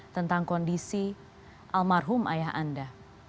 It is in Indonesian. tentang kondisi almarhum ayah anda